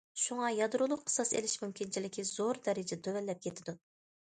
شۇڭا، يادرولۇق قىساس ئېلىش مۇمكىنچىلىكى زور دەرىجىدە تۆۋەنلەپ كېتىدۇ.